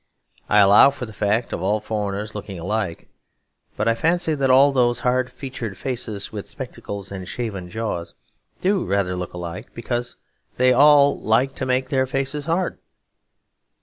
I allow for the fact of all foreigners looking alike; but I fancy that all those hard featured faces, with spectacles and shaven jaws, do look rather alike, because they all like to make their faces hard.